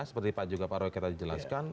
seperti pak juga paro yang kita jelaskan